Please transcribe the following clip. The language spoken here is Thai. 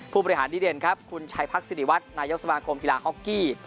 ผู้บริหารดีเด่นครับคุณชัยพักษิริวัตรนายกสมาคมกีฬาฮอกกี้